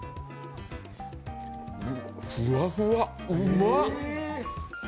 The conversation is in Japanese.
ふわふわ、うまっ。